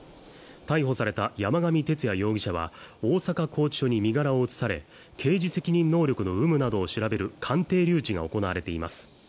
逮捕された山上徹也容疑者は大阪拘置所に身柄を移され刑事責任能力の有無などを調べる鑑定留置が行われています